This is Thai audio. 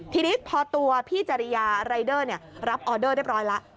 ทีนี้พอตัวพี่จริยารายเดอร์รับออเดอร์เรียบร้อยแล้ว